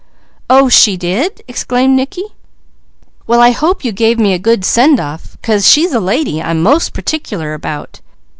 "Oh she did?" exclaimed Mickey. "Well I hope you gave me a good send off, 'cause she's a lady I'm most particular about.